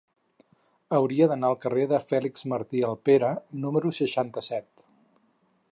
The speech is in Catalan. Hauria d'anar al carrer de Fèlix Martí Alpera número seixanta-set.